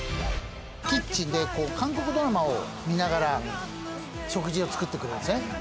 キッチンで韓国ドラマを見ながら食事を作ってくれるんですね